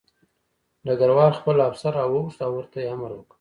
ډګروال خپل افسر راوغوښت او ورته یې امر وکړ